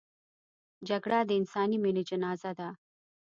جګړه د انساني مینې جنازه ده